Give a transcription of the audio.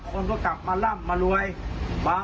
แกเกิดจากกาที่แกไปกำกับหนัง